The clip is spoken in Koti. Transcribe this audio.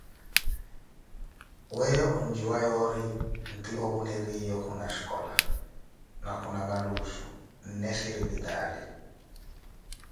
Weeyo ondjuwa yoori nti opu niriiyo khuna shicola, na khuna maluuju, nne shiripitaali.